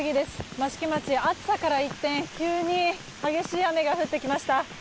益城町、暑さから一転急に激しい雨が降ってきました。